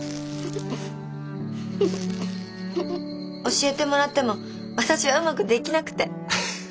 教えてもらっても私はうまくできなくて。